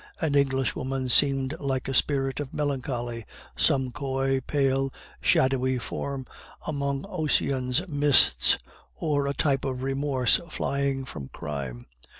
An English woman seemed like a spirit of melancholy some coy, pale, shadowy form among Ossian's mists, or a type of remorse flying from crime.